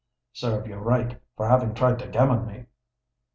"Serve you right for having tried to gammon me."